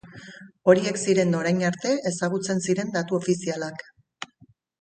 Horiek ziren orain arte ezagutzen ziren datu ofizialak.